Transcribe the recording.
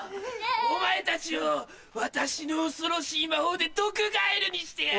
お前たちを私の恐ろしい魔法で毒ガエルにしてやる。